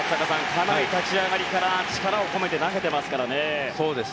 かなり立ち上がりから力を込めて投げていますからね。